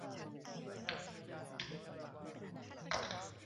ในการเปิดบัญชีซื้อขายหุ้นนั้น